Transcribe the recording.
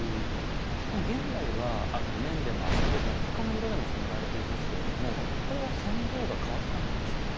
でも現代は綿でも麻でも他の色でも染められていますけれどもこれは染料が変わったんでしょうか？